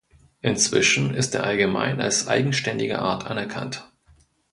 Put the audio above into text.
Inzwischen ist er allgemein als eigenständige Art anerkannt.